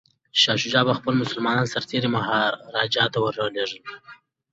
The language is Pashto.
شاه شجاع به خپل مسلمان سرتیري مهاراجا ته ور لیږي.